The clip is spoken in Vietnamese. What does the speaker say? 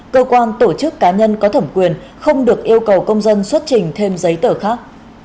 cơ quan tổ chức cá nhân có thẩm quyền không được yêu cầu công dân xuất trình thêm giấy tờ khác